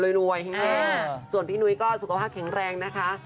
ส่วนพี่นุ้ยก็สุขภาพแข็งแรงนะคะ